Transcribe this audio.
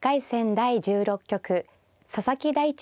第１６局佐々木大地